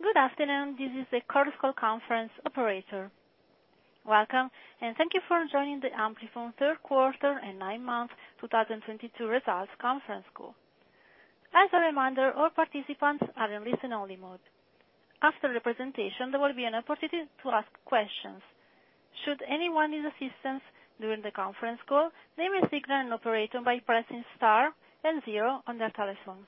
Good afternoon. This is the quarterly conference call operator. Welcome, and thank you for joining the Amplifon Third Quarter and Nine Months 2022 Results Conference Call. As a reminder, all participants are in listen-only mode. After the presentation, there will be an opportunity to ask questions. Should anyone need assistance during the conference call, they may signal an operator by pressing star and zero on their telephone.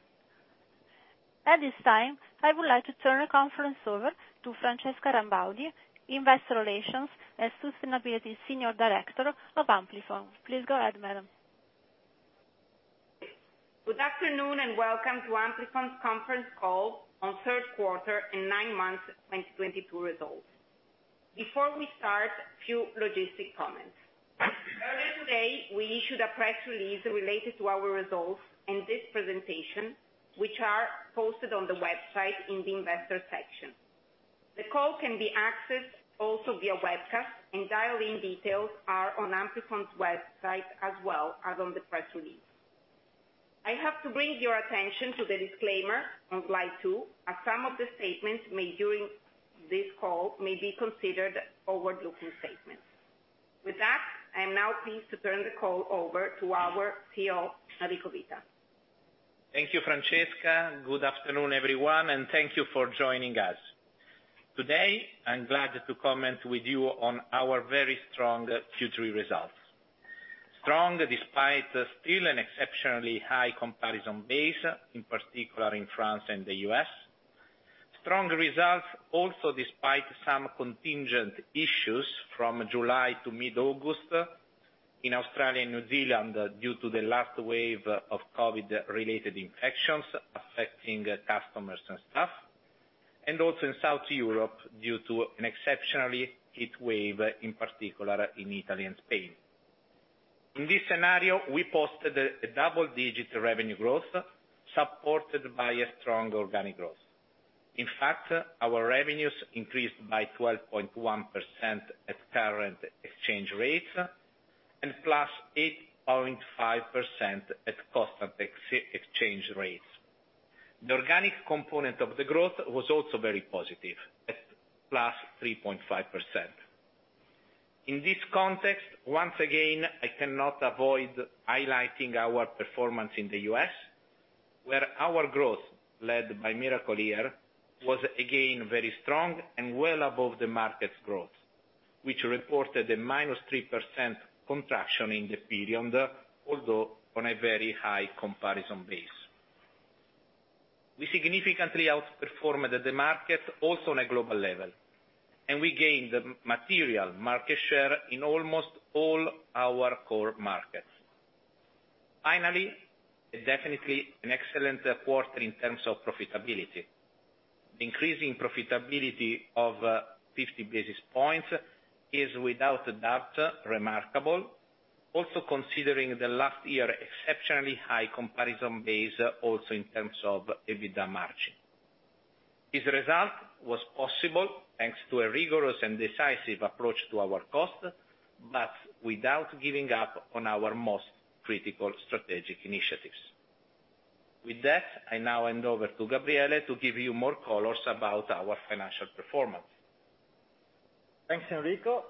At this time, I would like to turn the conference over to Francesca Rambaudi, Investor Relations and Sustainability Senior Director of Amplifon. Please go ahead, madam. Good afternoon, and welcome to Amplifon's conference call on third quarter and nine-month 2022 results. Before we start, few logistic comments. Earlier today, we issued a press release related to our results and this presentation, which are posted on the website in the investor section. The call can be accessed also via webcast, and dial-in details are on Amplifon's website as well as on the press release. I have to bring your attention to the disclaimer on slide two, as some of the statements made during this call may be considered forward-looking statements. With that, I am now pleased to turn the call over to our CEO, Enrico Vita. Thank you, Francesca. Good afternoon, everyone, and thank you for joining us. Today, I'm glad to comment with you on our very strong Q3 results. Strong despite still an exceptionally high comparison base, in particular in France and the U.S.. Strong results also despite some contingent issues from July to mid-August in Australia and New Zealand due to the last wave of COVID-related infections affecting customers and staff, and also in southern Europe due to an exceptional heat wave, in particular in Italy and Spain. In this scenario, we posted a double-digit revenue growth supported by a strong organic growth. In fact, our revenues increased by 12.1% at current exchange rates and +8.5% at constant exchange rates. The organic component of the growth was also very positive, at +3.5%. In this context, once again, I cannot avoid highlighting our performance in the U.S., where our growth, led by Miracle-Ear, was again very strong and well above the market's growth, which reported a -3% contraction in the period, although on a very high comparison base. We significantly outperformed the market also on a global level, and we gained material market share in almost all our core markets. Finally, definitely an excellent quarter in terms of profitability. The increase in profitability of 50 basis points is without a doubt remarkable. Also considering last year's exceptionally high comparison base also in terms of EBITDA margin. This result was possible thanks to a rigorous and decisive approach to our cost, but without giving up on our most critical strategic initiatives. With that, I now hand over to Gabriele to give you more color about our financial performance. Thanks, Enrico,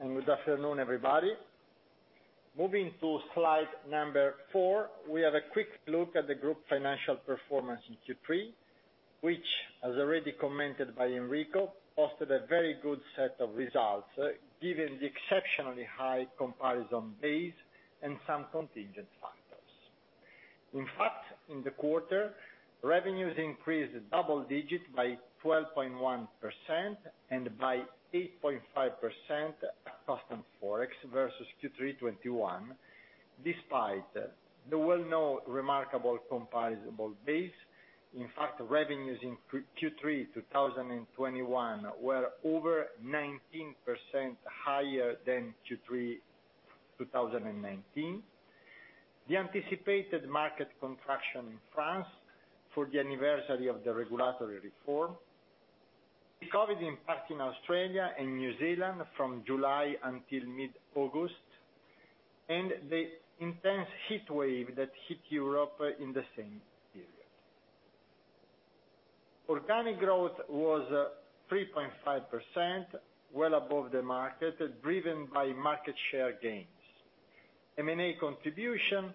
and good afternoon, everybody. Moving to slide number four, we have a quick look at the group financial performance in Q3, which, as already commented by Enrico, posted a very good set of results given the exceptionally high comparison base and some contingent factors. In fact, in the quarter, revenues increased double digits by 12.1% and by 8.5% at constant Forex versus Q3 2021, despite the well-known remarkable comparable base. In fact, revenues in Q3 2021 were over 19% higher than Q3 2019. The anticipated market contraction in France for the anniversary of the regulatory reform. The COVID impact in Australia and New Zealand from July until mid-August, and the intense heat wave that hit Europe in the same period. Organic growth was 3.5%, well above the market, driven by market share gains. M&A contribution,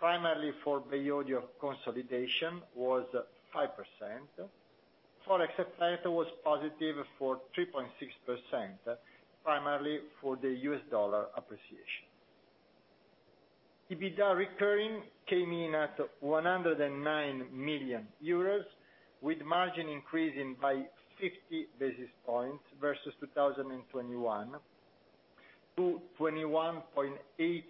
primarily for the audio consolidation, was 5%. Forex effect was positive for 3.6%, primarily for the U.S. dollar appreciation. EBITDA recurring came in at 109 million euros, with margin increasing by 50 basis points versus 2021 to 21.8%,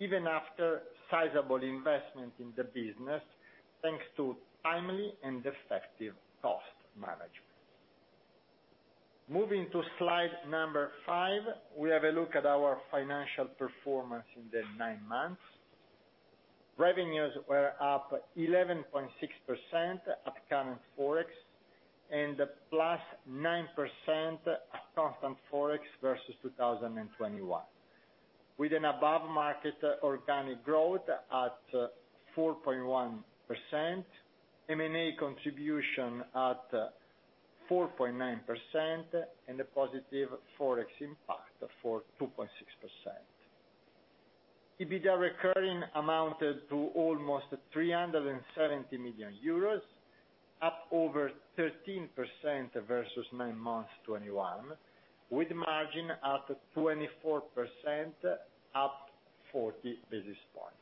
even after sizable investment in the business, thanks to timely and effective cost management. Moving to slide number five, we have a look at our financial performance in the nine months. Revenues were up 11.6% at current Forex and +9% at constant Forex versus 2021 with an above market organic growth at 4.1%, M&A contribution at 4.9%, and a positive Forex impact for 2.6%. EBITDA recurring amounted to almost 370 million euros, up over 13% versus nine months 2021, with margin at 24%, up 40 basis points.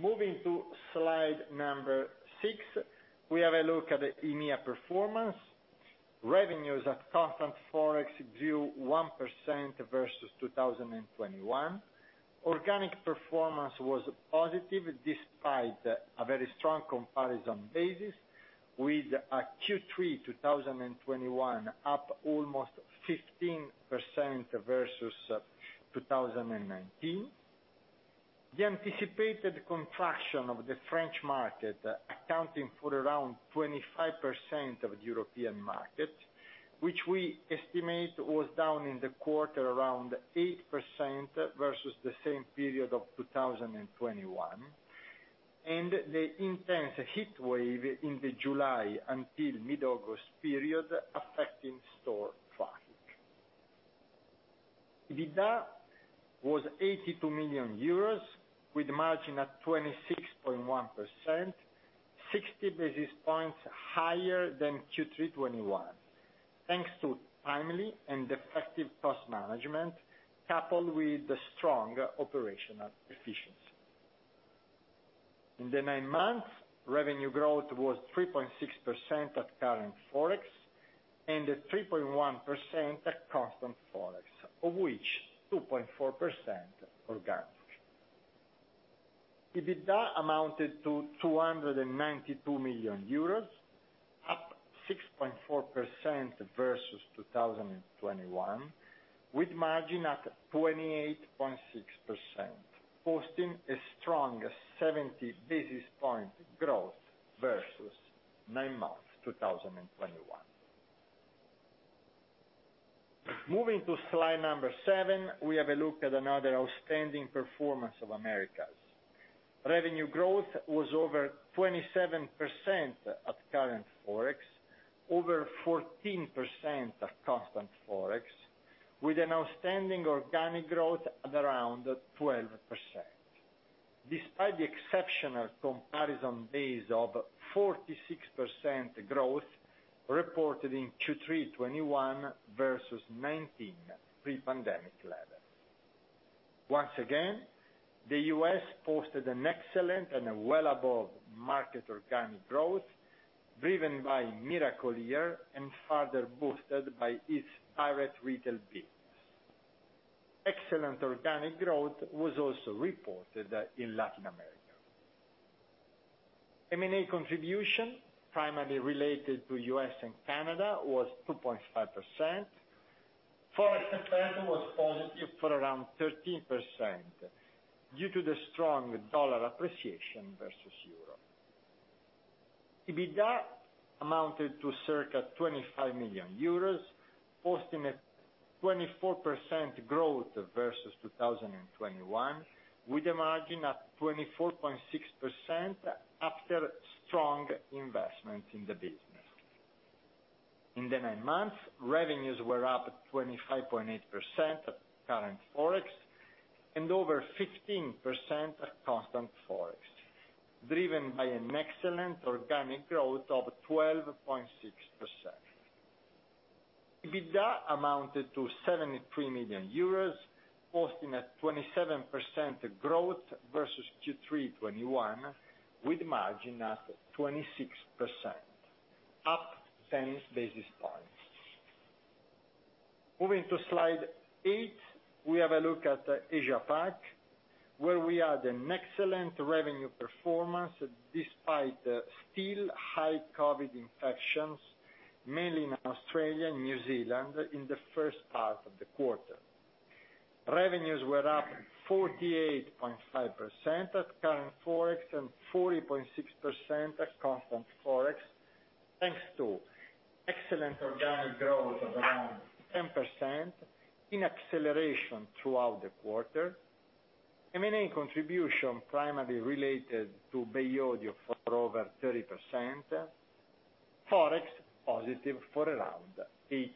Moving to slide number six, we have a look at the EMEA performance. Revenues at constant Forex grew 1% versus 2021. Organic performance was positive despite a very strong comparison basis with a Q3 2021 up almost 15% versus 2019. The anticipated contraction of the French market accounting for around 25% of European markets, which we estimate was down in the quarter around 8% versus the same period of 2021, and the intense heat wave in the July until mid-August period affecting store traffic. EBITDA was 82 million euros with margin at 26.1%, 60 basis points higher than Q3 2021, thanks to timely and effective cost management, coupled with the strong operational efficiency. In the nine months, revenue growth was 3.6% at current Forex and 3.1% at constant Forex, of which 2.4% organic. EBITDA amounted to 292 million euros, up 6.4% versus 2021, with margin at 28.6%, posting a strong 70 basis point growth versus nine months 2021. Moving to slide seven, we have a look at another outstanding performance of Americas. Revenue growth was over 27% at current Forex, over 14% at constant Forex, with an outstanding organic growth at around 12%, despite the exceptional comparison base of 46% growth reported in Q3 2021 versus 2019 pre-pandemic level. Once again, the U.S. posted an excellent and a well above market organic growth driven by Miracle-Ear and further boosted by its direct retail business. Excellent organic growth was also reported in Latin America. M&A contribution, primarily related to U.S. and Canada, was 2.5%. Forex effect was positive for around 13% due to the strong dollar appreciation versus euro. EBITDA amounted to circa 25 million euros, posting a 24% growth versus 2021, with a margin at 24.6% after strong investment in the business. In the nine months, revenues were up at 25.8% at current Forex and over 15% at constant Forex, driven by an excellent organic growth of 12.6%. EBITDA amounted to 73 million euros, posting at 27% growth versus Q3 2021, with margin at 26%, up 10 basis points. Moving to slide eight, we have a look at Asia Pac, where we had an excellent revenue performance despite still high COVID infections, mainly in Australia and New Zealand in the first half of the quarter. Revenues were up 48.5% at current Forex and 40.6% at constant Forex, thanks to excellent organic growth of around 10% in acceleration throughout the quarter. M&A contribution primarily related to Bay Audio for over 30%. Forex positive for around 8%.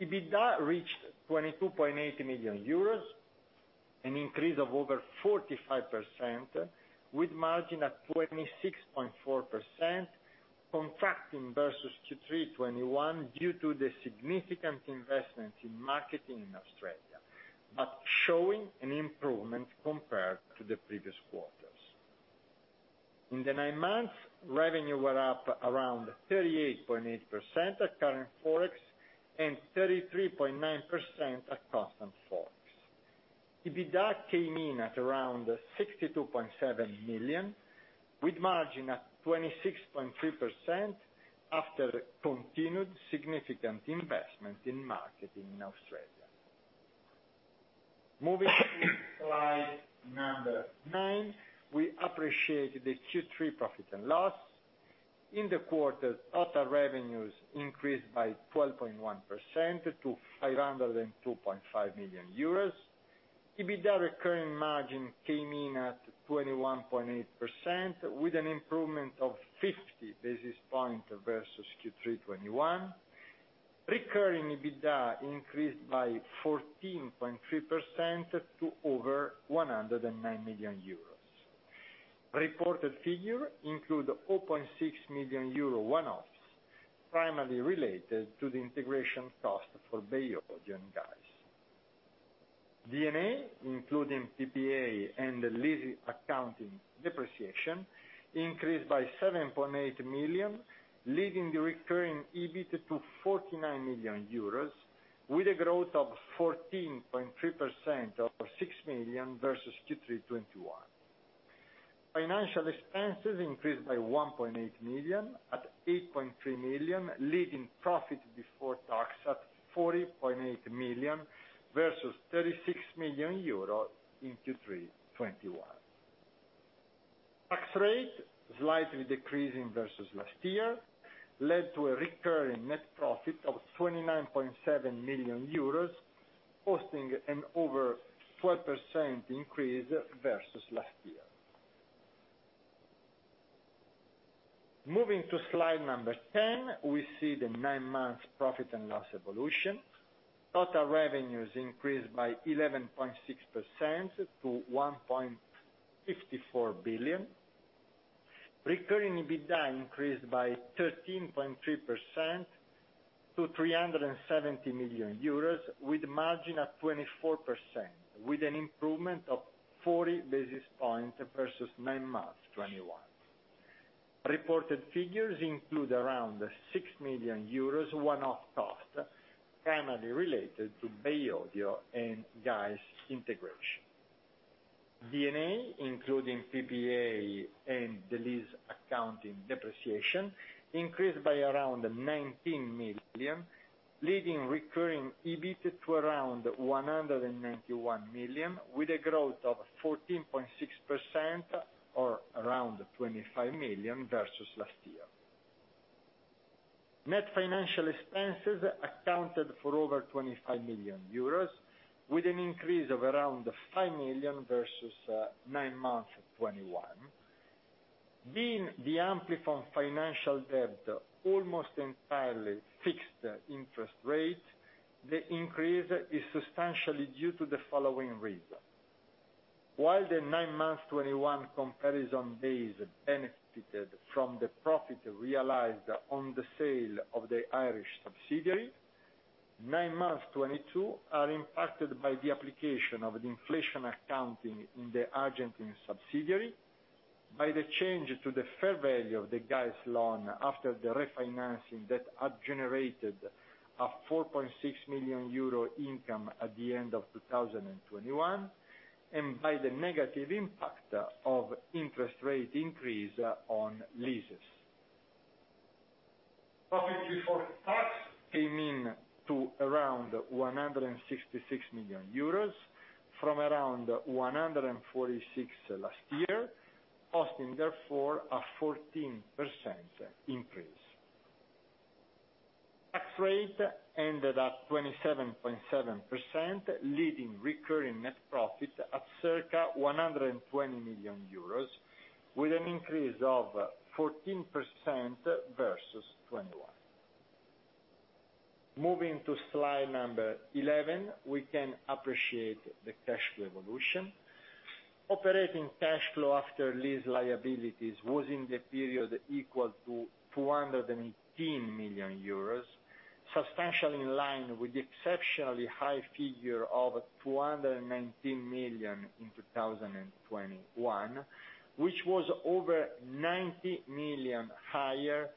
EBITDA reached 22.8 million euros, an increase of over 45% with margin at 26.4%, contracting versus Q3 2021 due to the significant investment in marketing in Australia, but showing an improvement compared to the previous quarters. In the nine months, revenue were up around 38.8% at current Forex and 33.9% at constant Forex. EBITDA came in at around 62.7 million, with margin at 26.3% after continued significant investment in marketing in Australia. Moving to slide nine, we appreciate the Q3 P&L. In the quarter, total revenues increased by 12.1% to 502.5 million euros. EBITDA recurring margin came in at 21.8% with an improvement of 50 basis points versus Q3 2021. Recurring EBITDA increased by 14.3% to over 109 million euros. Reported figure include 4.6 million euro one-offs, primarily related to the integration cost for Bay Audio and GAES. D&A, including PPA and the lease accounting depreciation, increased by 7.8 million, leading the recurring EBIT to 49 million euros with a growth of 14.3% of 6 million versus Q3 2021. Financial expenses increased by 1.8 million at 8.3 million, leading profit before tax at 40.8 million versus 36 million euro in Q3 2021. Tax rate slightly decreasing versus last year led to a recurring net profit of 29.7 million euros, posting an over 12% increase versus last year. Moving to slide number 10, we see the nine months profit and loss evolution. Total revenues increased by 11.6% to 1.54 billion. Recurring EBITDA increased by 13.3% to 370 million euros, with margin at 24%, with an improvement of 40 basis points versus nine months 2021. Reported figures include around 6 million euros one-off cost, primarily related to Bay Audio and GAES integration. D&A, including PPA and the lease accounting depreciation, increased by around 19 million, leading recurring EBIT to around 191 million, with a growth of 14.6% or around 25 million versus last year. Net financial expenses accounted for over 25 million euros with an increase of around 5 million versus nine months 2021. Being the Amplifon financial debt almost entirely fixed interest rate, the increase is substantially due to the following reason. While the nine months 2021 comparison basis benefited from the profit realized on the sale of the Irish subsidiary, nine months 2022 are impacted by the application of the inflation accounting in the Argentine subsidiary by the change to the fair value of the GAES loan after the refinancing that had generated a 4.6 million euro income at the end of 2021, and by the negative impact of interest rate increase on leases. Profit before tax came in to around 166 million euros from around 146 million last year, showing therefore a 14% increase. Tax rate ended at 27.7%, leading recurring net profit at circa 120 million euros with an increase of 14% versus 2021. Moving to slide number 11, we can appreciate the cash flow evolution. Operating cash flow after lease liabilities was in the period equal to 218 million euros, substantially in line with the exceptionally high figure of 219 million in 2021, which was over 90 million higher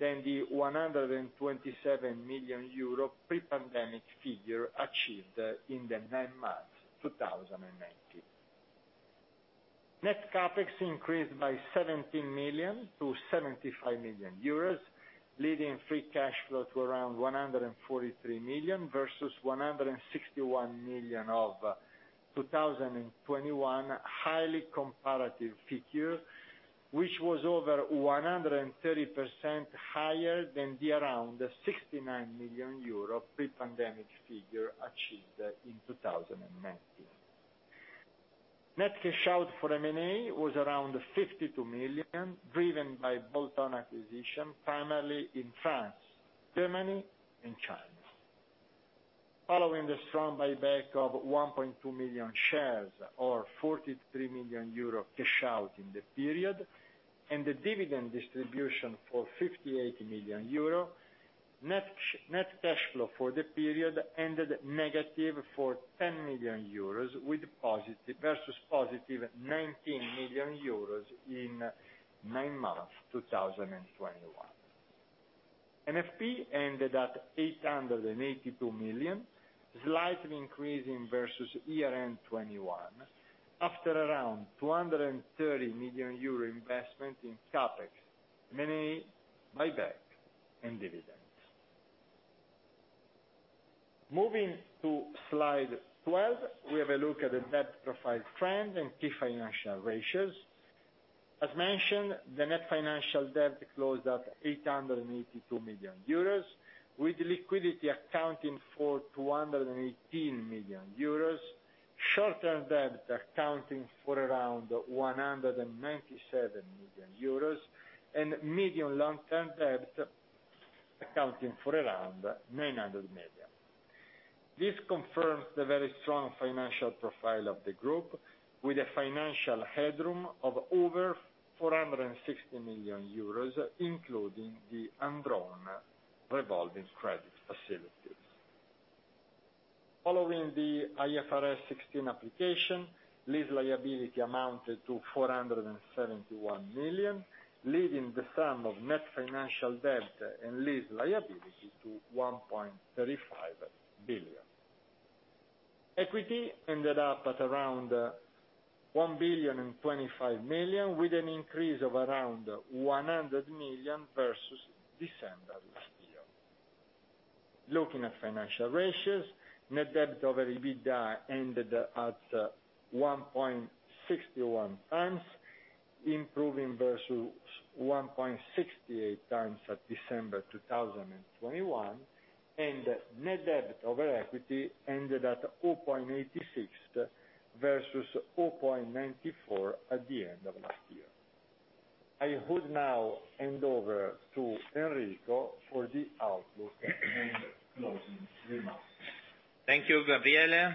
than the 127 million euro pre-pandemic figure achieved in the nine months 2019. Net CapEx increased by 17 million to 75 million euros, leading free cash flow to around 143 million versus 161 million of 2021, highly comparative figure, which was over 130% higher than the around 69 million euro pre-pandemic figure achieved in 2019. Net cash out for M&A was around 52 million, driven by bolt-on acquisition, primarily in France, Germany and China. Following the strong buyback of 1.2 million shares or 43 million euro cash out in the period, and the dividend distribution for 58 million euro, net cash flow for the period ended negative for 10 million euros versus positive 19 million euros in nine months 2021. NFP ended at 882 million, slightly increasing versus year-end 2021, after around 230 million euro investment in CapEx, M&A, buyback and dividend. Moving to slide twelve, we have a look at the debt profile trends and key financial ratios. As mentioned, the net financial debt closed at 882 million euros, with liquidity accounting for 218 million euros, short-term debt accounting for around 197 million euros, and medium long-term debt accounting for around 900 million. This confirms the very strong financial profile of the group, with a financial headroom of over 460 million euros, including the undrawn revolving credit facilities. Following the IFRS 16 application, lease liability amounted to 471 million, leading the sum of net financial debt and lease liability to 1.35 billion. Equity ended up at around 1.025 billion, with an increase of around 100 million versus December last year. Looking at financial ratios, net debt over EBITDA ended at 1.61x, improving versus 1.68x at December 2021, and net debt over equity ended at 0.86x versus 0.94x at the end of last year. I would now hand over to Enrico for the outlook and closing remarks. Thank you, Gabriele.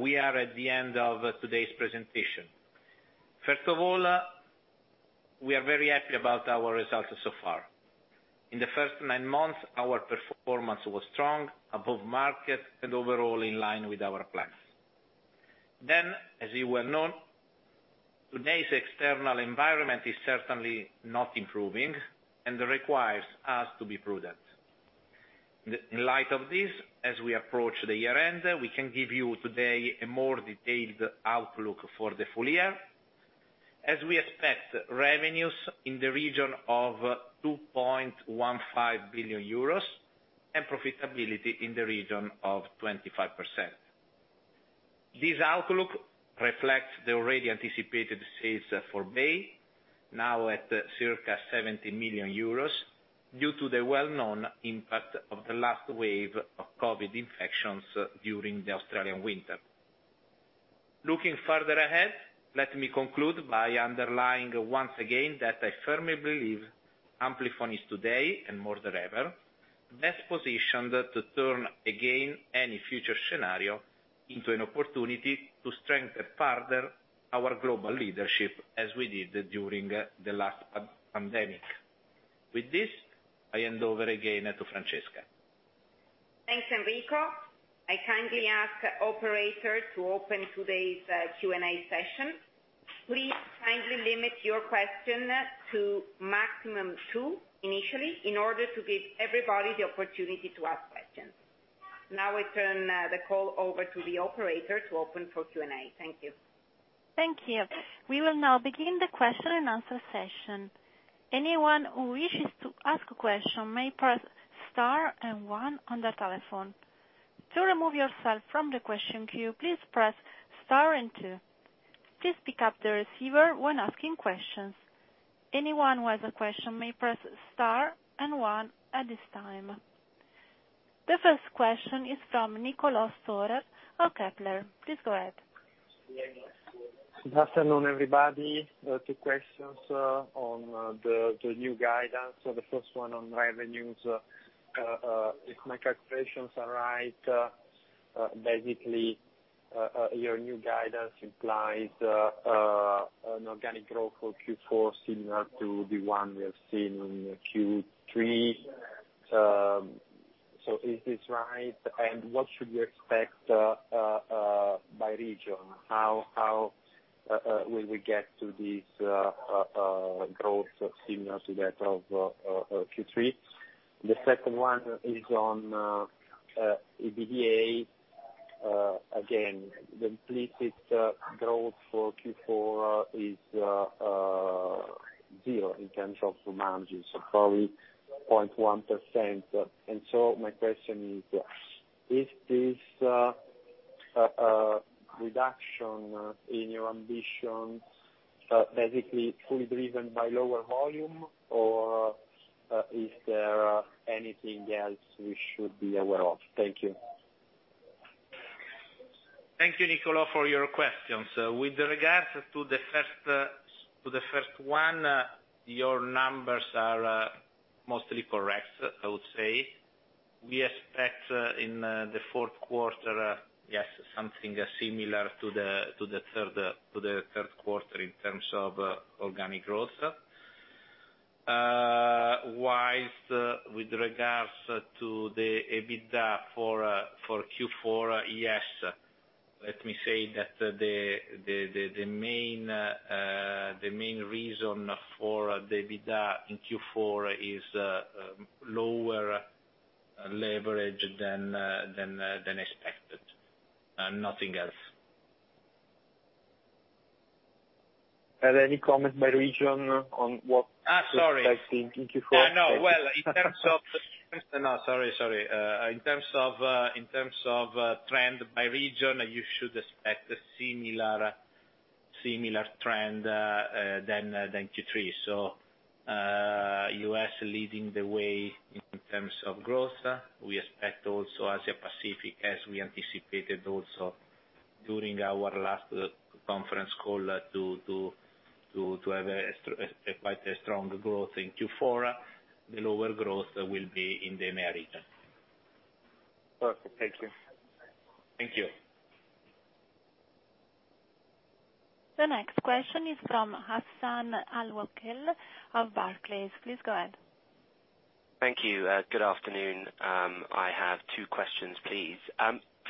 We are at the end of today's presentation. First of all, we are very happy about our results so far. In the first nine months, our performance was strong, above market, and overall in line with our plans. As you well know, today's external environment is certainly not improving and requires us to be prudent. In light of this, as we approach the year end, we can give you today a more detailed outlook for the full year, as we expect revenues in the region of 2.15 billion euros and profitability in the region of 25%. This outlook reflects the already anticipated sales for Bay, now at circa 70 million euros, due to the well-known impact of the last wave of COVID infections during the Australian winter. Looking further ahead, let me conclude by underlining once again that I firmly believe Amplifon is today, and more than ever, best positioned to turn into any future scenario into an opportunity to strengthen further our global leadership as we did during the last pandemic. With this, I hand over again to Francesca. Thanks, Enrico. I kindly ask operator to open today's Q&A session. Please kindly limit your question to maximum two initially, in order to give everybody the opportunity to ask questions. Now I turn the call over to the operator to open for Q&A. Thank you. Thank you. We will now begin the question and answer session. Anyone who wishes to ask a question may press star and one on their telephone. To remove yourself from the question queue, please press star and two. Please pick up the receiver when asking questions. Anyone who has a question may press star and one at this time. The first question is from Nicolò Storer of Kepler Cheuvreux. Please go ahead. Good afternoon, everybody. Two questions on the new guidance. The first one on revenues. If my calculations are right, basically, your new guidance implies an organic growth for Q4 similar to the one we have seen in Q3. Is this right? What should we expect by region? How will we get to this growth similar to that of Q3? The second one is on EBITDA. Again, the implicit growth for Q4 is zero in terms of margins, so probably 0.1%. My question is this reduction in your ambitions basically fully driven by lower volume or is there anything else we should be aware of? Thank you. Thank you, Nicolò, for your questions. With regards to the first one, your numbers are mostly correct, I would say. We expect in the fourth quarter, yes, something similar to the third quarter in terms of organic growth. While with regards to the EBITDA for Q4, yes. Let me say that the main reason for the EBITDA in Q4 is lower leverage than expected, and nothing else. Have any comment by region on what? Sorry. Thank you for- I know. In terms of trend by region, you should expect a similar trend to Q3. U.S. leading the way in terms of growth. We expect also Asia Pacific, as we anticipated also during our last conference call, to have quite a strong growth in Q4. The lower growth will be in the EMEA region. Perfect. Thank you. Thank you. The next question is from Hassan Al-Wakeel of Barclays. Please go ahead. Thank you. Good afternoon. I have two questions, please.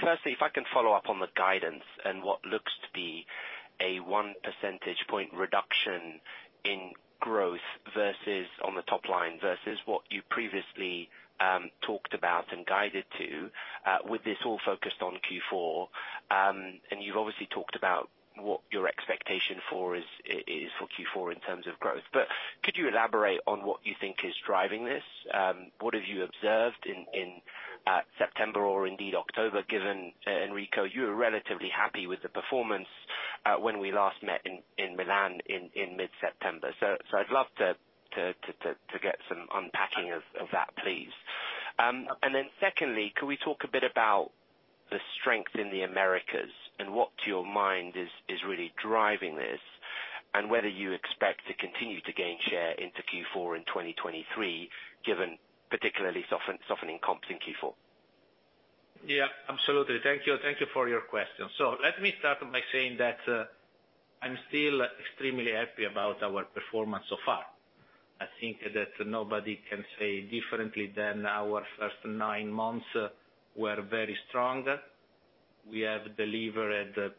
Firstly, if I can follow up on the guidance and what looks to be a one percentage point reduction in growth versus, on the top line, versus what you previously talked about and guided to, with this all focused on Q4. You've obviously talked about what your expectation is for Q4 in terms of growth. Could you elaborate on what you think is driving this? What have you observed in September or indeed October, given Enrico, you were relatively happy with the performance, when we last met in Milan in mid-September. I'd love to get some unpacking of that, please. Secondly, could we talk a bit about the strength in the Americas and what to your mind is really driving this? Whether you expect to continue to gain share into Q4 in 2023, given particularly softening comp in Q4. Yeah, absolutely. Thank you. Thank you for your question. Let me start by saying that, I'm still extremely happy about our performance so far. I think that nobody can say differently than our first nine months were very strong. We have delivered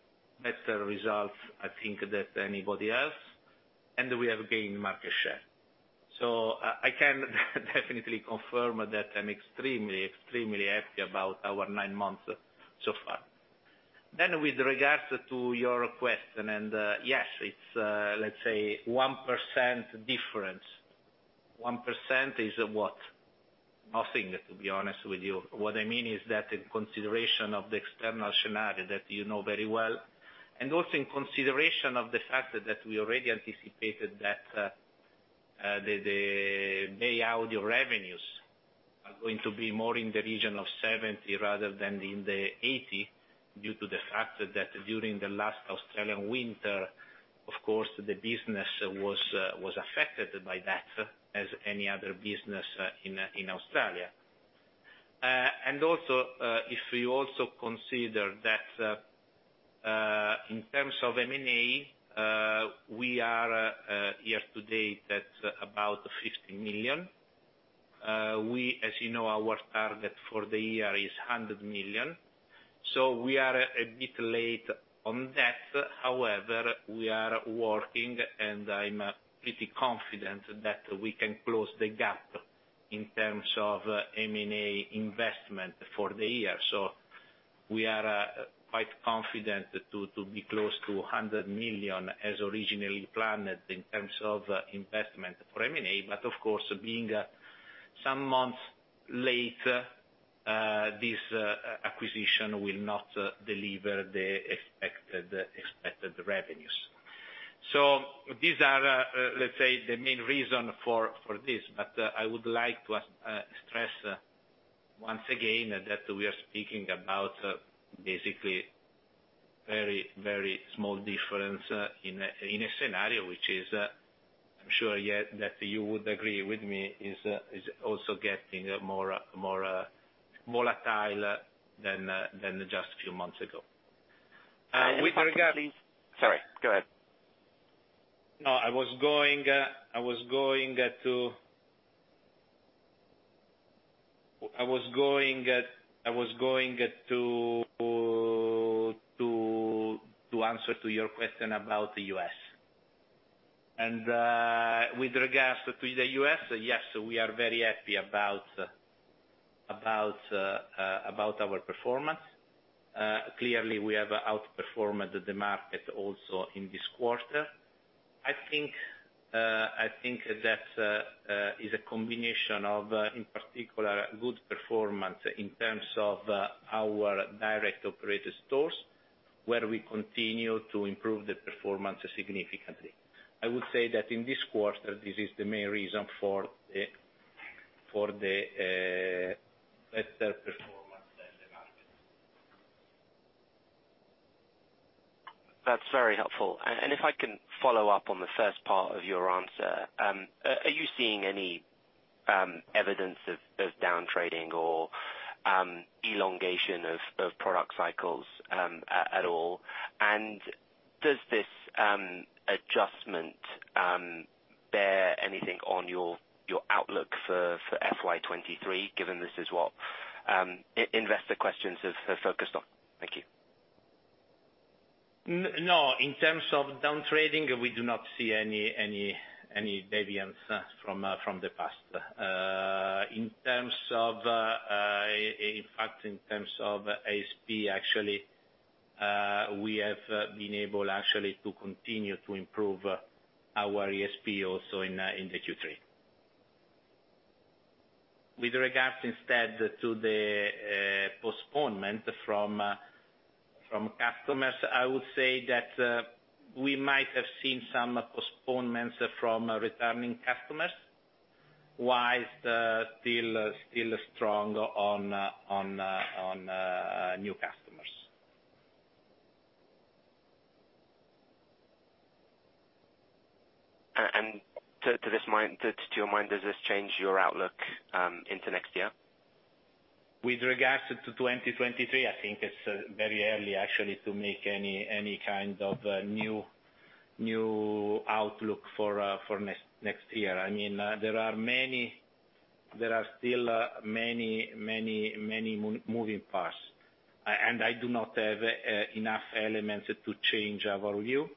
better results, I think, than anybody else, and we have gained market share. I can definitely confirm that I'm extremely happy about our nine months so far. With regards to your question, and, yes, it's, let's say 1% difference. 1% is what? Nothing, to be honest with you. What I mean is that in consideration of the external scenario that you know very well, and also in consideration of the fact that we already anticipated that, the Bay Audio revenues are going to be more in the region of 70 rather than in the 80, due to the fact that during the last Australian winter, of course, the business was affected by that as any other business in Australia. Also, if you also consider that, in terms of M&A, we are year to date at about 50 million. We, as you know, our target for the year is 100 million, so we are a bit late on that. However, we are working, and I'm pretty confident that we can close the gap in terms of M&A investment for the year. We are quite confident to be close to 100 million as originally planned in terms of investment for M&A. Of course, being some months later, this acquisition will not deliver the expected revenues. These are let's say the main reason for this. I would like to stress once again that we are speaking about basically very small difference in a scenario which is, I'm sure here that you would agree with me, also getting more agile than just a few months ago. Sorry, go ahead. No, I was going to answer to your question about the U.S.. With regards to the U.S., yes, we are very happy about our performance. Clearly, we have outperformed the market also in this quarter. I think that is a combination of, in particular, good performance in terms of our direct operator stores, where we continue to improve the performance significantly. I would say that in this quarter, this is the main reason for the better performance than the market. That's very helpful. If I can follow up on the first part of your answer, are you seeing any evidence of down trading or elongation of product cycles at all? Does this adjustment bear anything on your outlook for FY 2023, given this is what investor questions have focused on? Thank you. No. In terms of down trading, we do not see any variance from the past. In fact, in terms of ASP, actually, we have been able actually to continue to improve our ASP also in the Q3. With regards instead to the postponement from customers, I would say that we might have seen some postponements from returning customers, while still strong on new customers. To your mind, does this change your outlook into next year? With regards to 2023, I think it's very early actually to make any kind of new outlook for next year. I mean, there are still many moving parts. I do not have enough elements to change our view.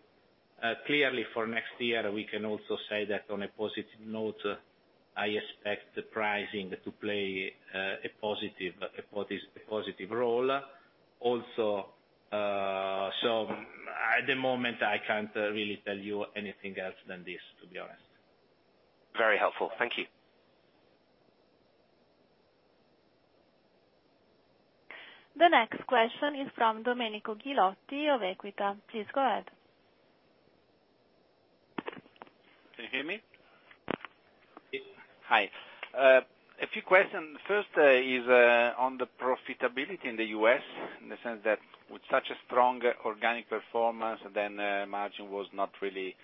Clearly for next year, we can also say that on a positive note, I expect the pricing to play a positive role also. At the moment, I can't really tell you anything else than this, to be honest. Very helpful. Thank you. The next question is from Domenico Ghilotti of Equita. Please go ahead. Can you hear me? Yes. Hi. A few questions. First is on the profitability in the U.S., in the sense that with such a strong organic performance, then, margin was not really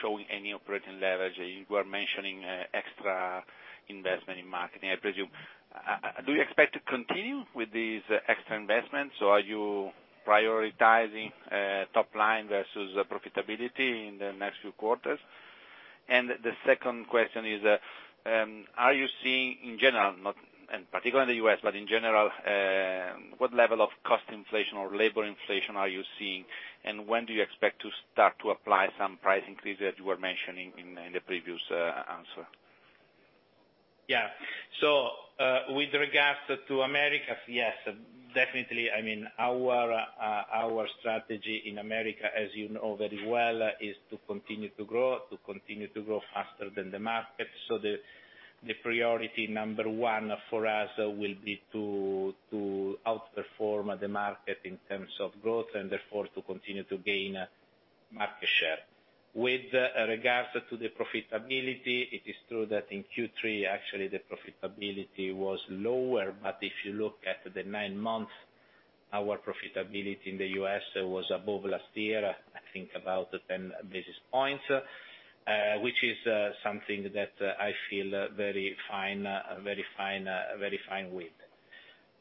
showing any operating leverage. You were mentioning extra investment in marketing, I presume. Do you expect to continue with these extra investments, or are you prioritizing top line versus profitability in the next few quarters? The second question is, are you seeing in general, particularly in the U.S., but in general, what level of cost inflation or labor inflation are you seeing, and when do you expect to start to apply some price increase that you were mentioning in the previous answer? Yeah. With regards to Americas, yes, definitely. I mean, our strategy in America, as you know very well, is to continue to grow, to continue to grow faster than the market. The priority number one for us will be to outperform the market in terms of growth, and therefore, to continue to gain market share. With regards to the profitability, it is true that in Q3, actually, the profitability was lower. If you look at the nine months, our profitability in the U.S. was above last year, I think about 10 basis points, which is something that I feel very fine with.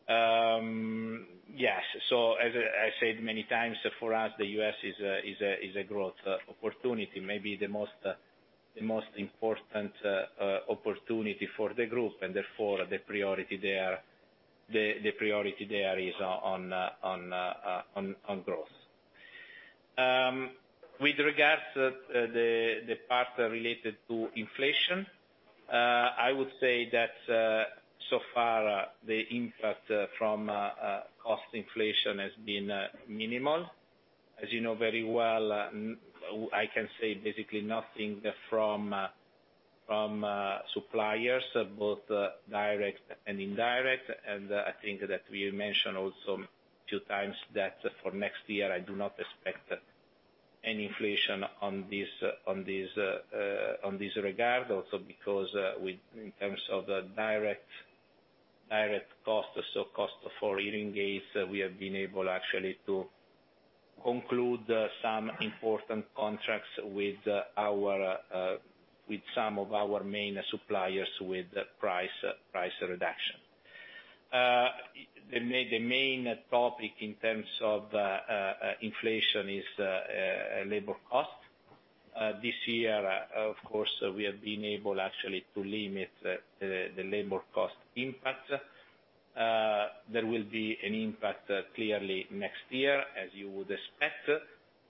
Yes. As I said many times, for us, the U.S. is a growth opportunity, maybe the most important opportunity for the group, and therefore, the priority there is on growth. With regards to the part related to inflation, I would say that so far the impact from cost inflation has been minimal. As you know very well, I can say basically nothing from suppliers, both direct and indirect. I think that we mentioned also two times that for next year, I do not expect any inflation on this regard, also because with in terms of the direct costs, so cost for hearing aids, we have been able actually to conclude some important contracts with some of our main suppliers with price reduction. The main topic in terms of inflation is labor cost. This year, of course, we have been able actually to limit the labor cost impact. There will be an impact clearly next year, as you would expect,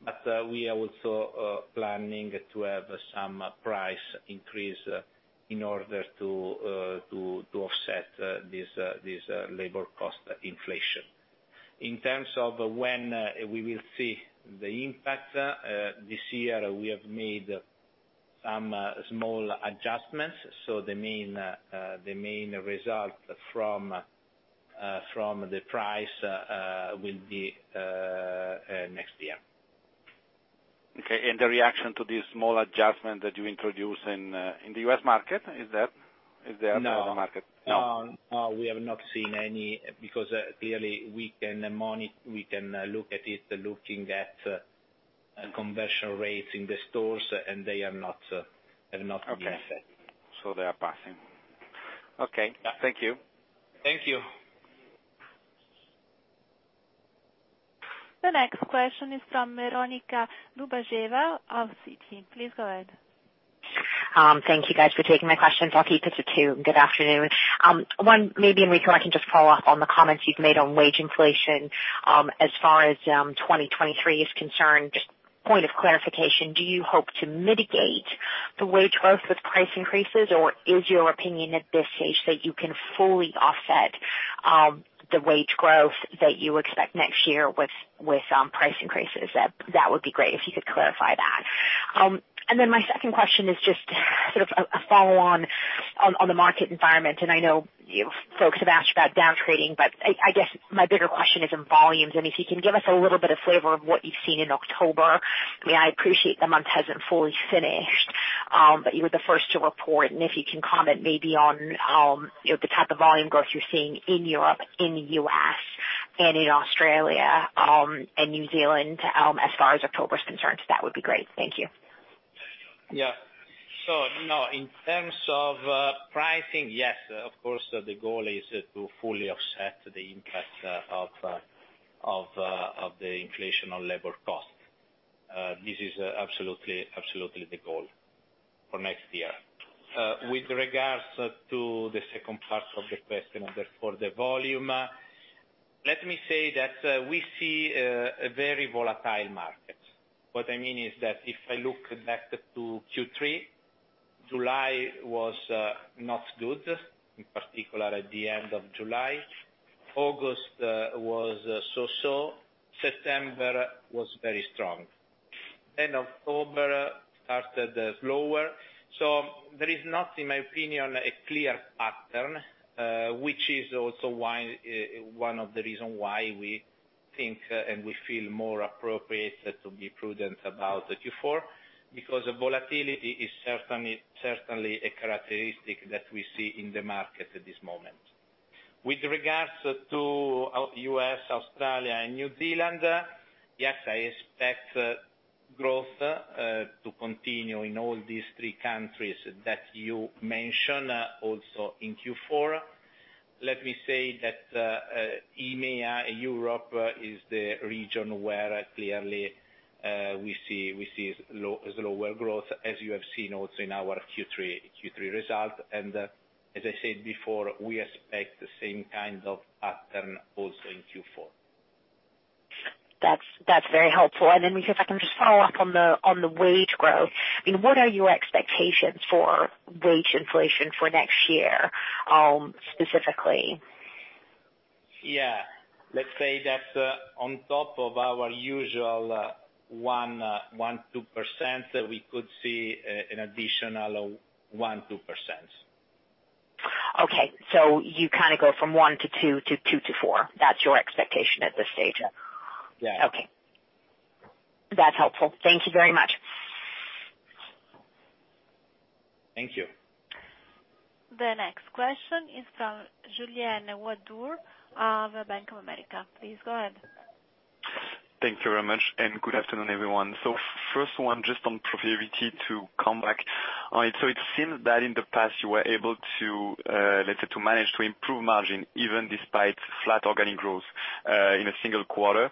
but we are also planning to have some price increase in order to offset this labor cost inflation. In terms of when we will see the impact this year, we have made some small adjustments, so the main result from the price will be next year. Okay, the reaction to this small adjustment that you introduced in the U.S. market, is there in the market? No, no, we have not seen any because clearly we can monitor, we can look at it, looking at conversion rates in the stores, and they are not being affected. Okay. They are passing. Okay. Yeah. Thank you. Thank you. The next question is from Veronika Dubajova of Citi. Please go ahead. Thank you guys for taking my questions. I'll keep it to two. Good afternoon. One, maybe, Enrico, I can just follow up on the comments you've made on wage inflation. As far as 2023 is concerned, just point of clarification, do you hope to mitigate the wage growth with price increases, or is your opinion at this stage that you can fully offset the wage growth that you expect next year with price increases? That would be great if you could clarify that. My second question is just sort of a follow-on on the market environment, and I know you folks have asked about downgrading, but I guess my bigger question is in volumes, and if you can give us a little bit of flavor of what you've seen in October. I mean, I appreciate the month hasn't fully finished, but you were the first to report, and if you can comment maybe on, you know, the type of volume growth you're seeing in Europe, in the U.S., and in Australia, and New Zealand, as far as October is concerned, that would be great. Thank you. Yeah. No, in terms of pricing, yes, of course, the goal is to fully offset the impact of the inflation on labor costs. This is absolutely the goal for next year. With regards to the second part of the question, and for the volume, let me say that we see a very volatile market. What I mean is that if I look back to Q3, July was not good, in particular at the end of July. August was so-so. September was very strong. October started slower. There is not, in my opinion, a clear pattern, which is also why one of the reason why we think and we feel more appropriate to be prudent about the Q4, because volatility is certainly a characteristic that we see in the market at this moment. With regards to U.S., Australia and New Zealand, yes, I expect growth to continue in all these three countries that you mentioned also in Q4. Let me say that EMEA, Europe is the region where clearly we see slower growth, as you have seen also in our Q3 results. We expect the same kind of pattern also in Q4. That's very helpful. If I can just follow up on the wage growth. I mean, what are your expectations for wage inflation for next year, specifically? Yeah. Let's say that on top of our usual 1%-2%, we could see an additional 1%-2%. Okay. You kind of go from 1% to 2% to 2% to 4%. That's your expectation at this stage? Yeah. Okay. That's helpful. Thank you very much. Thank you. The next question is from Julien Dormois of Jefferies. Please go ahead. Thank you very much, and good afternoon, everyone. First one, just on profitability to come back. So it seems that in the past you were able to, let's say, to manage to improve margin even despite flat organic growth, in a single quarter.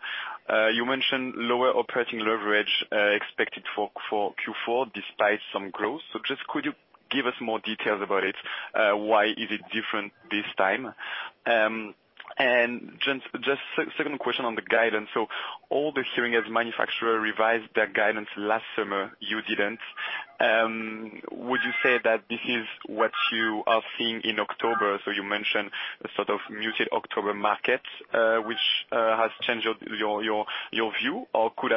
You mentioned lower operating leverage, expected for Q4 despite some growth. Just could you give us more details about it? Why is it different this time? And just second question on the guidance. All the hearing aids manufacturer revised their guidance last summer. You didn't. Would you say that this is what you are seeing in October? You mentioned a sort of muted October market, which has changed your view, or could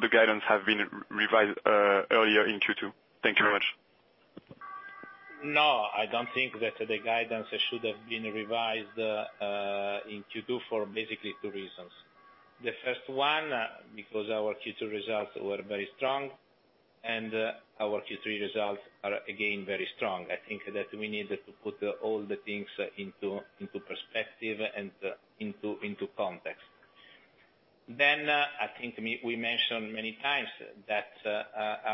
the guidance have been revised earlier in Q2? Thank you very much. No, I don't think that the guidance should have been revised in Q2 for basically two reasons. The first one, because our Q2 results were very strong and our Q3 results are again very strong. I think that we need to put all the things into perspective and into context. I think we mentioned many times that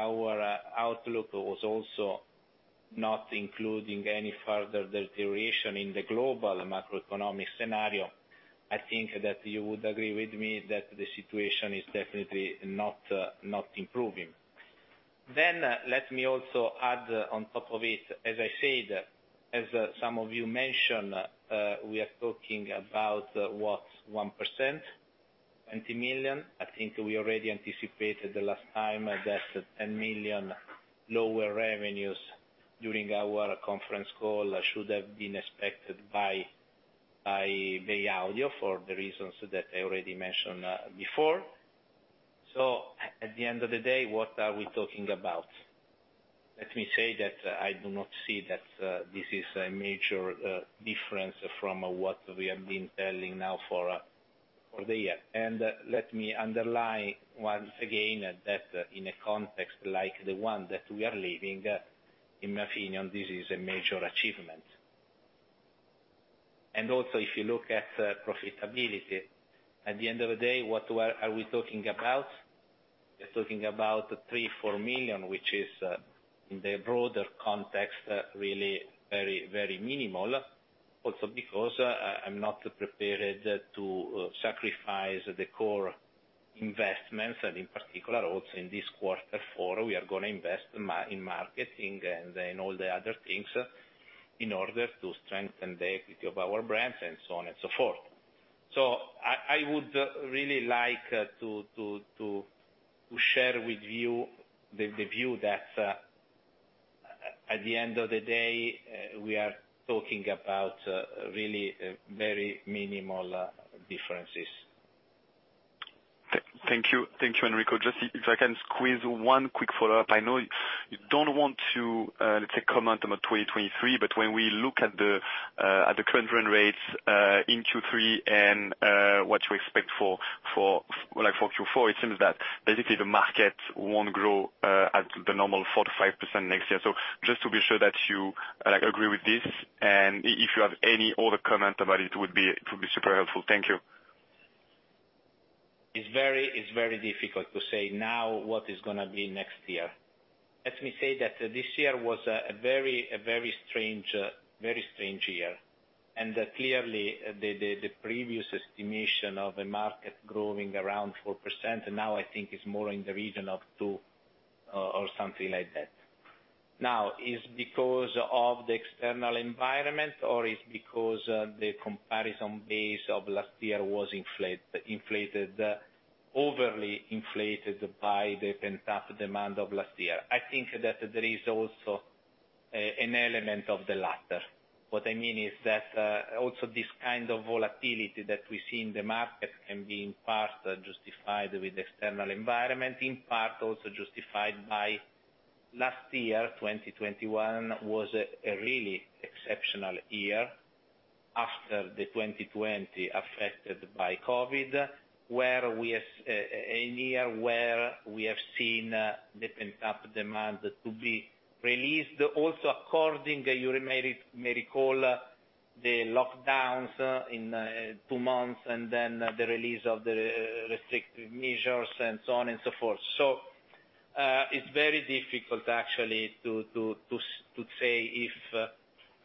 our outlook was also not including any further deterioration in the global macroeconomic scenario. I think that you would agree with me that the situation is definitely not improving. Let me also add on top of it, as I said, as some of you mentioned, we are talking about what, 1%, 20 million. I think we already anticipated the last time that 10 million lower revenues during our conference call should have been expected by Bay Audio for the reasons that I already mentioned before. At the end of the day, what are we talking about? Let me say that I do not see that this is a major difference from what we have been telling now for the year. Let me underline once again that in a context like the one that we are living, in my opinion, this is a major achievement. Also if you look at profitability, at the end of the day, what are we talking about? We're talking about 3 million-4 million, which is in the broader context really very minimal. Because I'm not prepared to sacrifice the core investments, and in particular, also in this quarter four, we are gonna invest in marketing and then all the other things in order to strengthen the equity of our brands and so on and so forth. I would really like to share with you the view that, at the end of the day, we are talking about really very minimal differences. Thank you. Thank you, Enrico. Just if I can squeeze one quick follow-up. I know you don't want to, let's say, comment on the 2023, but when we look at the current run rates in Q3 and what you expect for like, for Q4, it seems that basically the market won't grow at the normal 4%-5% next year. Just to be sure that you, like, agree with this, and if you have any other comment about it would be super helpful. Thank you. It's very difficult to say now what is gonna be next year. Let me say that this year was a very strange year. That clearly the previous estimation of the market growing around 4%, now I think is more in the region of 2% or something like that. Now, is it because of the external environment or is it because of the comparison base of last year was overly inflated by the pent-up demand of last year? I think that there is also an element of the latter. What I mean is that also this kind of volatility that we see in the market can be in part justified with external environment, in part also justified by last year. 2021 was a really exceptional year after the 2020 affected by COVID, where we have seen the pent-up demand to be released. You may recall the lockdowns in two months and then the release of the restrictive measures and so on and so forth. It's very difficult actually to say if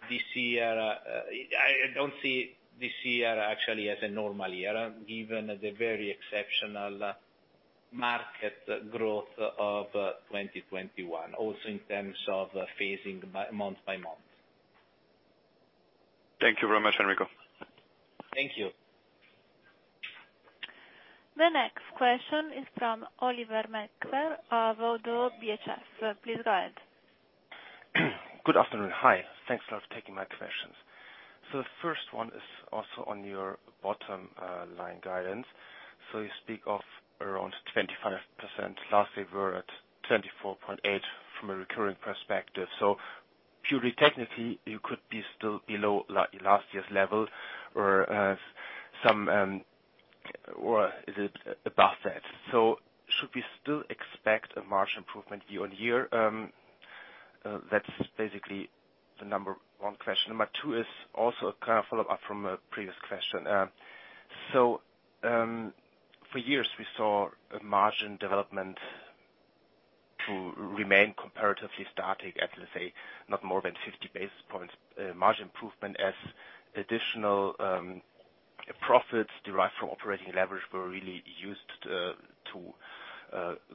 this year. I don't see this year actually as a normal year given the very exceptional market growth of 2021, also in terms of phasing by month by month. Thank you very much, Enrico. Thank you. The next question is from Oliver Metzger of Oddo BHF. Please go ahead. Good afternoon. Hi. Thanks a lot for taking my questions. The first one is also on your bottom line guidance. You speak of around 25%. Last year we were at 24.8% from a recurring perspective. Purely technically, you could be still below last year's level or some or is it above that? Should we still expect a margin improvement year-on-year? That's basically the number one question. Number two is also a kind of follow-up from a previous question. For years, we saw a margin development to remain comparatively static at, let's say, not more than 50 basis points margin improvement as additional profits derived from operating leverage were really used to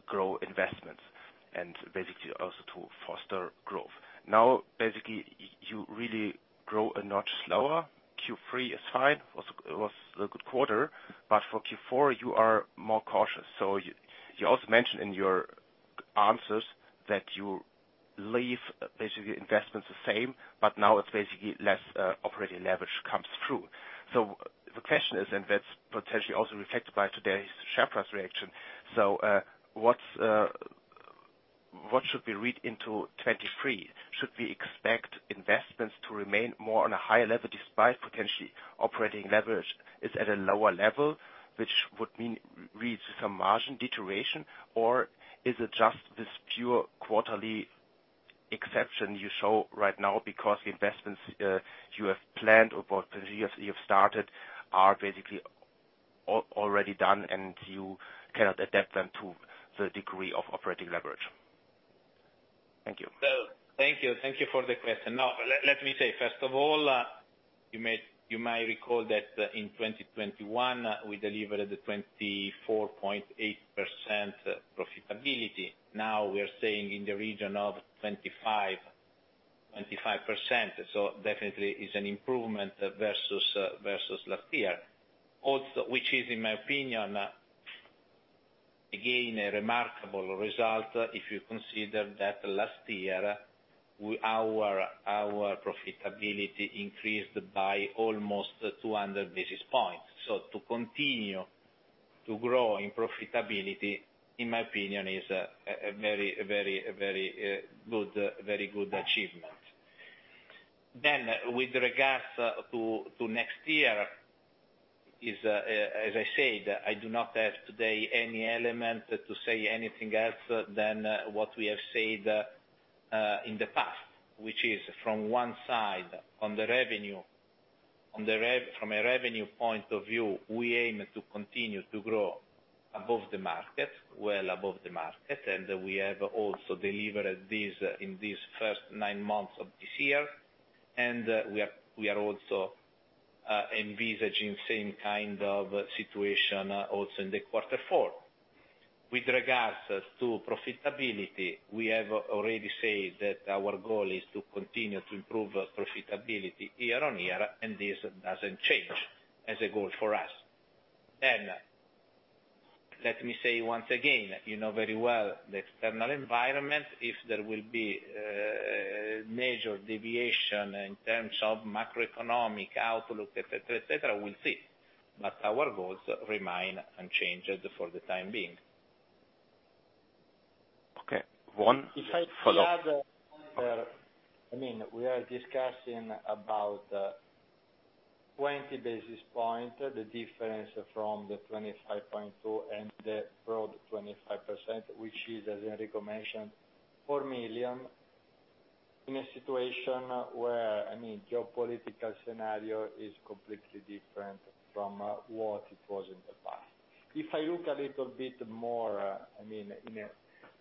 grow investments and basically also to foster growth. Now, basically, you really grow a notch slower. Q3 is fine. It was a good quarter, but for Q4 you are more cautious. You also mentioned in your answers that you leave basically investments the same, but now it's basically less operating leverage comes through. The question is, and that's potentially also reflected by today's share price reaction. What should we read into 2023? Should we expect investments to remain more on a higher level despite potentially operating leverage is at a lower level, which would mean some margin deterioration? Or is it just this pure quarterly exception you show right now because the investments you have planned or potentially you've started are basically already done and you cannot adapt them to the degree of operating leverage? Thank you. Thank you. Thank you for the question. Now, let me say, first of all, you may recall that in 2021 we delivered a 24.8% profitability. Now we are saying in the region of 25%. Definitely it's an improvement versus last year. Which is in my opinion, again, a remarkable result if you consider that last year our profitability increased by almost 200 basis points. To continue to grow in profitability, in my opinion, is a very good achievement. With regards to next year, as I said, I do not have today any element to say anything else than what we have said in the past, which is from one side on the revenue, from a revenue point of view, we aim to continue to grow above the market, well above the market, and we have also delivered this in this first nine months of this year. We are also envisaging same kind of situation also in the quarter four. With regards to profitability, we have already said that our goal is to continue to improve profitability year on year, and this doesn't change as a goal for us. Let me say once again, you know very well the external environment, if there will be major deviation in terms of macroeconomic outlook, et cetera, et cetera, we'll see. Our goals remain unchanged for the time being. Okay. One follow-up. If I add there, I mean, we are discussing about 20 basis points, the difference from the 25.2% and the broad 25%, which is, as Enrico mentioned, 4 million in a situation where, I mean, geopolitical scenario is completely different from what it was in the past. If I look a little bit more, I mean, in a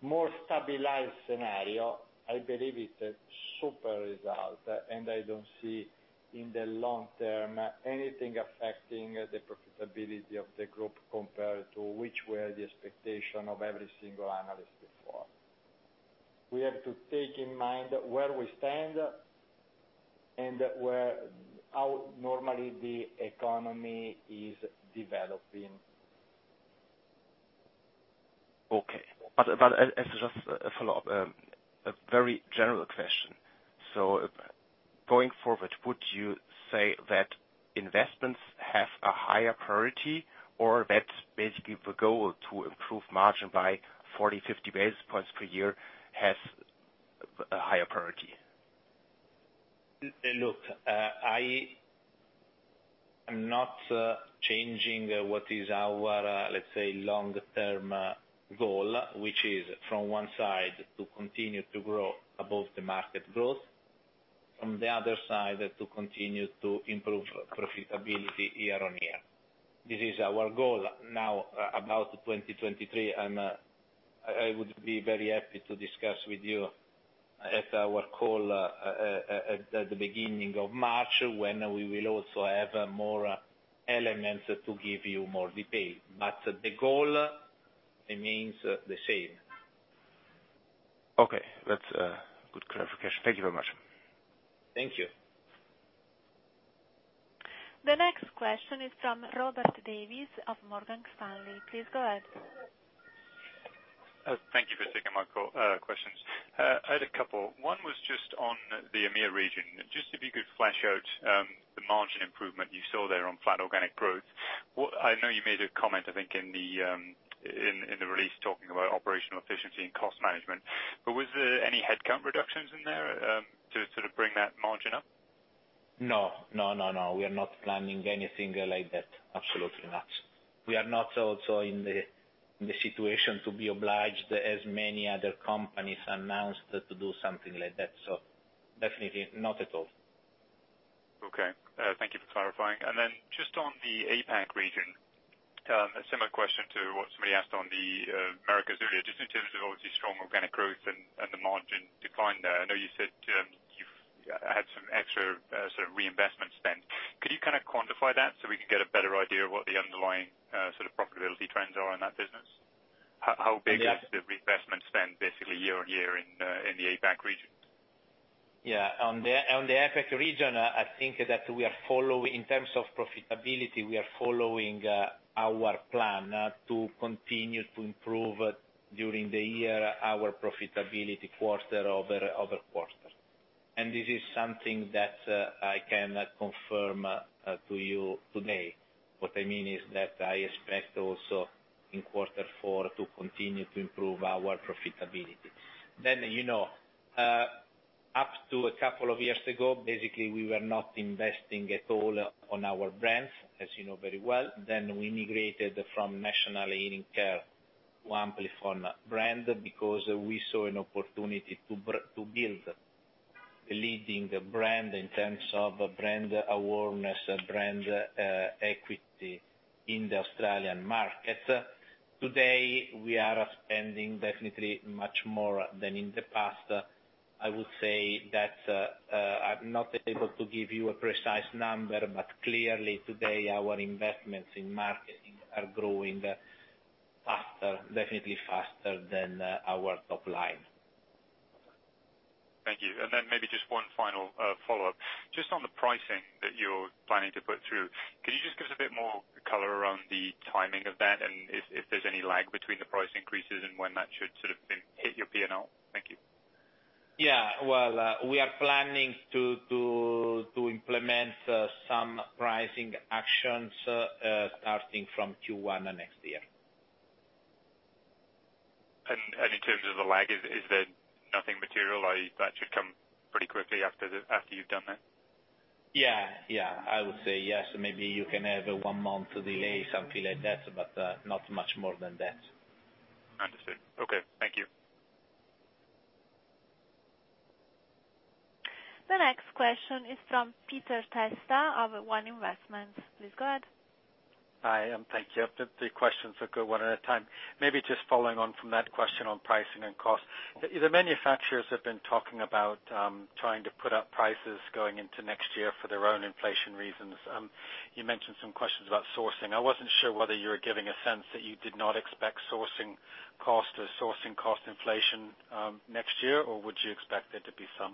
more stabilized scenario, I believe it's a super result, and I don't see in the long term anything affecting the profitability of the group compared to which were the expectation of every single analyst before. We have to take in mind where we stand and where how normally the economy is developing. As just a follow-up, a very general question. Going forward, would you say that investments have a higher priority or that basically the goal to improve margin by 40 basis points-50 basis points per year has a higher priority? Look, I am not changing what is our, let's say, long-term goal, which is from one side to continue to grow above the market growth, from the other side, to continue to improve profitability year on year. This is our goal now about 2023, and I would be very happy to discuss with you at our call, at the beginning of March, when we will also have more elements to give you more detail. The goal remains the same. Okay. That's a good clarification. Thank you very much. Thank you. The next question is from Robert Davies of Morgan Stanley. Please go ahead. Thank you for taking my call, questions. I had a couple. One was just on the EMEA region. Just if you could flesh out the margin improvement you saw there on flat organic growth. I know you made a comment, I think, in the release talking about operational efficiency and cost management, but was there any headcount reductions in there to sort of bring that margin up? No. We are not planning anything like that. Absolutely not. We are not also in the situation to be obliged, as many other companies announced, to do something like that. Definitely not at all. Okay. Thank you for clarifying. Just on the APAC region, a similar question to what somebody asked on the Americas earlier, just in terms of obviously strong organic growth and the margin decline there. I know you said, you've had some extra, sort of reinvestment spend. Could you kinda quantify that so we can get a better idea of what the underlying, sort of profitability trends are in that business? How big is the reinvestment spend basically year on year in the APAC region? Yeah. On the APAC region, I think that in terms of profitability, we are following our plan to continue to improve during the year our profitability quarter-over-quarter. This is something that I can confirm to you today. What I mean is that I expect also in quarter four to continue to improve our profitability. You know, up to a couple of years ago, basically, we were not investing at all on our brands, as you know very well. We migrated from National Hearing Care to Amplifon brand because we saw an opportunity to build a leading brand in terms of brand awareness, brand equity in the Australian market. Today, we are spending definitely much more than in the past. I would say that, I'm not able to give you a precise number, but clearly today our investments in marketing are growing faster, definitely faster than our top line. Thank you. Maybe just one final follow-up. Just on the pricing that you're planning to put through, can you just give us a bit more color around the timing of that and if there's any lag between the price increases and when that should sort of hit your P&L? Thank you. Yeah. Well, we are planning to implement some pricing actions starting from Q1 next year. In terms of the lag, is there nothing material or that should come pretty quickly after you've done that? Yeah, yeah. I would say yes. Maybe you can have a one-month delay, something like that, but not much more than that. Understood. Okay. Thank you. The next question is from Peter Testa of One Investments. Please go ahead. Hi, and thank you. The questions are good one at a time. Maybe just following on from that question on pricing and cost. The manufacturers have been talking about trying to put up prices going into next year for their own inflation reasons. You mentioned some questions about sourcing. I wasn't sure whether you were giving a sense that you did not expect sourcing costs or sourcing cost inflation next year, or would you expect there to be some?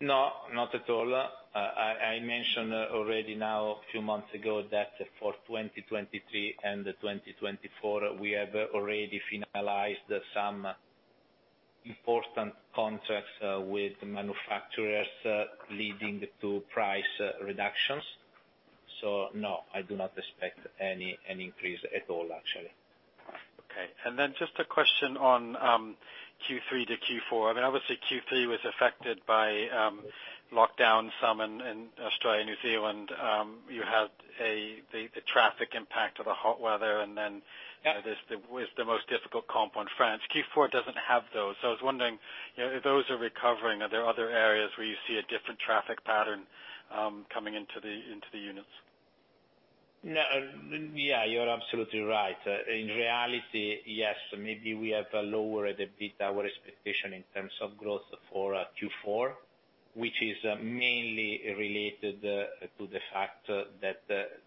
No, not at all. I mentioned already now a few months ago that for 2023 and 2024 we have already finalized some important contracts with manufacturers, leading to price reductions. No, I do not expect any increase at all, actually. Okay. Just a question on Q3 to Q4. I mean, obviously, Q3 was affected by some lockdown in Australia and New Zealand. You had the traffic impact of the hot weather and then there was the most difficult comp in France. Q4 doesn't have those. I was wondering, you know, if those are recovering, are there other areas where you see a different traffic pattern coming into the units? No. Yeah, you're absolutely right. In reality, yes, maybe we have lowered a bit our expectation in terms of growth for Q4, which is mainly related to the fact that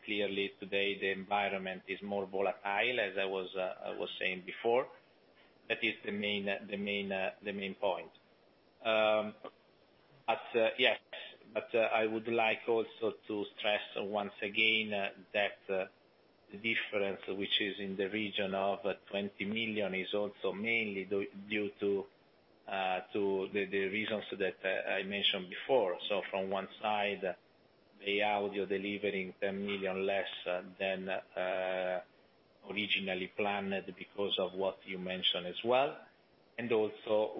clearly today the environment is more volatile, as I was saying before. That is the main point. Yes. I would like also to stress once again that the difference which is in the region of 20 million is also mainly due to the reasons that I mentioned before. From one side, Bay Audio delivering 10 million less than originally planned because of what you mentioned as well.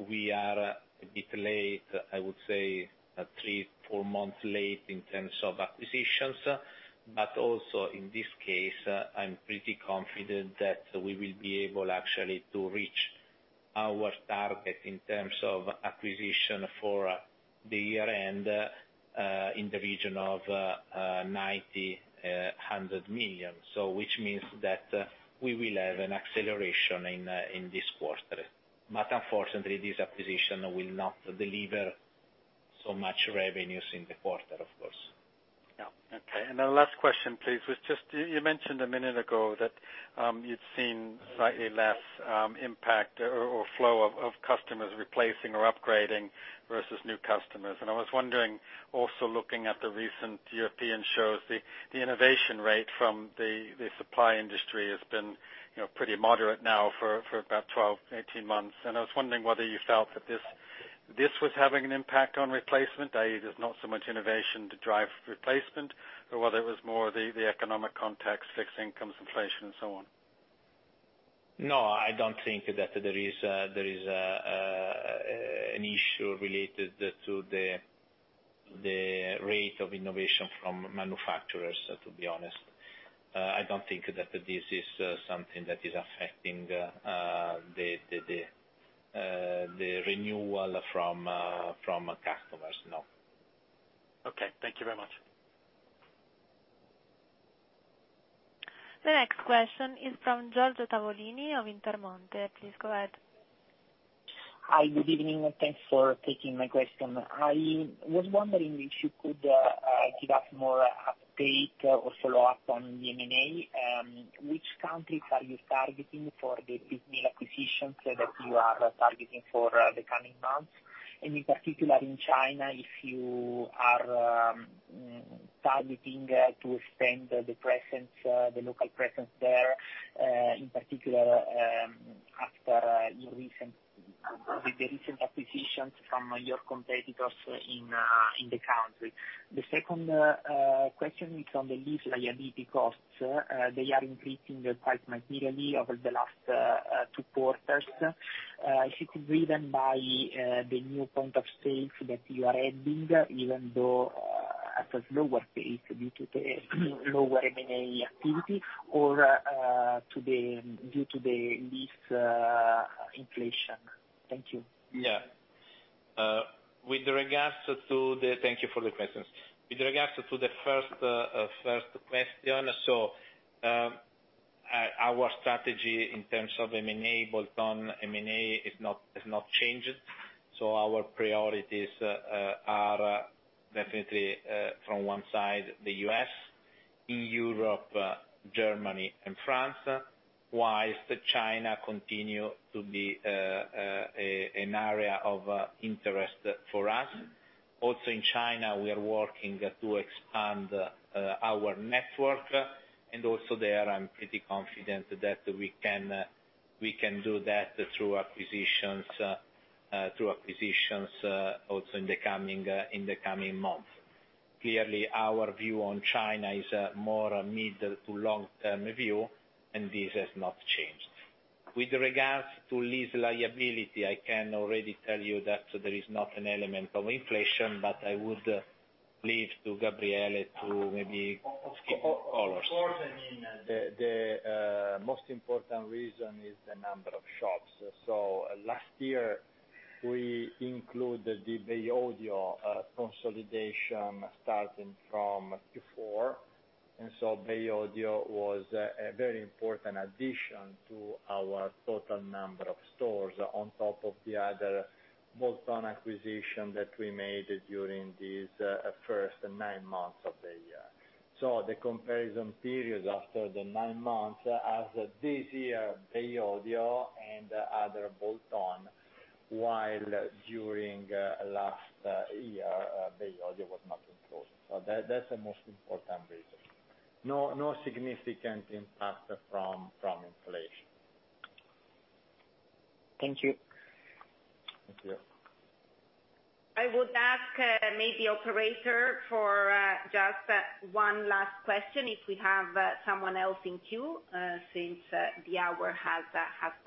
We are a bit late, I would say three, four months late in terms of acquisitions. Also in this case, I'm pretty confident that we will be able actually to reach our target in terms of acquisition for the year-end in the region of 90 million-100 million. Which means that we will have an acceleration in this quarter. Unfortunately, this acquisition will not deliver so much revenues in the quarter, of course. Last question, please, was just you mentioned a minute ago that you'd seen slightly less impact or flow of customers replacing or upgrading versus new customers. I was wondering, also looking at the recent European shows, the innovation rate from the supply industry has been, you know, pretty moderate now for about 12 month-18 months. I was wondering whether you felt that this was having an impact on replacement, i.e., there's not so much innovation to drive replacement, or whether it was more the economic context, fixed incomes, inflation and so on. No, I don't think that there is an issue related to the rate of innovation from manufacturers, to be honest. I don't think that this is something that is affecting the renewal from customers, no. Okay. Thank you very much. The next question is from Giorgio Tavolini of Intermonte. Please go ahead. Hi, good evening, and thanks for taking my question. I was wondering if you could give us more update or follow-up on the M&A. Which countries are you targeting for the big deal acquisitions that you are targeting for the coming months? In particular in China, if you are targeting to expand the presence, the local presence there, in particular, after the recent acquisitions from your competitors in the country. The second question is on the lease liability costs. They are increasing quite materially over the last two quarters. If it's driven by the new points of sale that you are adding, even though at a lower pace due to the lower M&A activity or due to the lease inflation. Thank you. Yeah. Thank you for the questions. With regards to the first question, our strategy in terms of M&A, bolt-on M&A has not changed. Our priorities are definitely from one side, the U.S., in Europe, Germany and France, while China continue to be an area of interest for us. Also in China, we are working to expand our network, and also there, I'm pretty confident that we can do that through acquisitions also in the coming months. Clearly, our view on China is more a mid- to long-term view, and this has not changed. With regard to lease liability, I can already tell you that there is not an element of inflation, but I would leave it to Gabriele to maybe give color. Of course, I mean, the most important reason is the number of shops. Last year, we include the Bay Audio consolidation starting from before. Bay Audio was a very important addition to our total number of stores on top of the other bolt-on acquisition that we made during these first nine months of the year. The comparison period after the nine months has this year Bay Audio and other bolt-on, while during last year, Bay Audio was not included. That's the most important reason. No significant impact from inflation. Thank you. Thank you. I would ask maybe operator for just one last question, if we have someone else in queue, since the hour has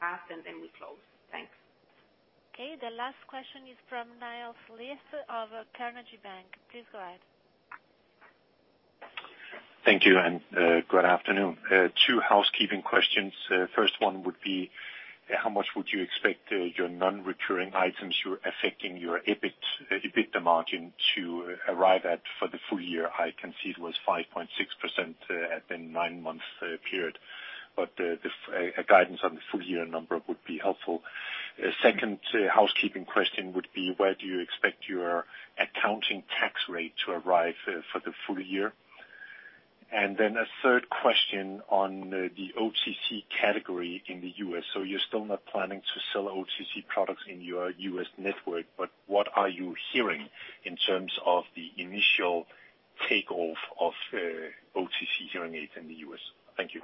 passed and then we close. Thanks. Okay. The last question is from Niels Granholm-Leth of Carnegie Bank. Please go ahead. Thank you, and good afternoon. Two housekeeping questions. First one would be how much would you expect your non-recurring items who are affecting your EBITDA margin to arrive at for the full year? I can see it was 5.6% at the nine months period, but a guidance on the full year number would be helpful. Second housekeeping question would be, where do you expect your accounting tax rate to arrive for the full year? Then a third question on the OTC category in the U.S. So you're still not planning to sell OTC products in your U.S. network, but what are you hearing in terms of the initial take-off of OTC hearing aids in the U.S.? Thank you.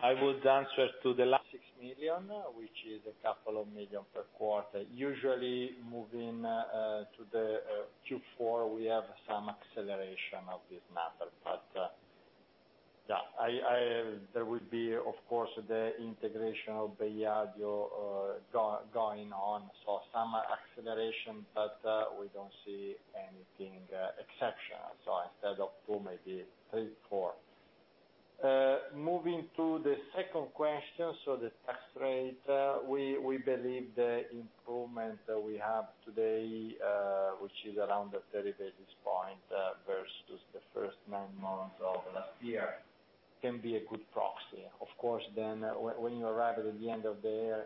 I would answer to the last 6 million, which is a couple of million per quarter. Usually, moving to the Q4, we have some acceleration of this number. There will be, of course, the integration of Bay Audio going on, so some acceleration, but we don't see anything exceptional. Instead of Q2, maybe Q3, Q4. Moving to the second question, the tax rate, we believe the improvement that we have today, which is around the 30 basis points versus the first 9 months of last year, can be a good proxy. Of course, then when you arrive at the end of the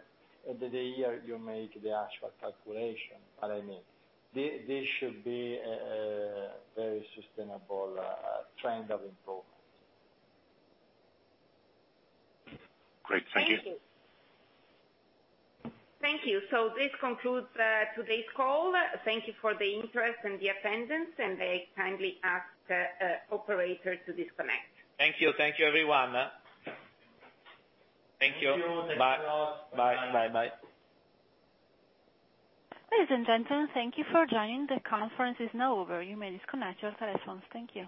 year, you make the actual calculation. This should be very sustainable trend of improvement. Great. Thank you. Thank you. This concludes today's call. Thank you for the interest and the attendance, and may kindly ask operator to disconnect. Thank you. Thank you, everyone. Thank you. Bye. Thank you. Thanks a lot. Bye bye. Ladies and gentlemen, thank you for joining. The conference is now over. You may disconnect your telephones. Thank you.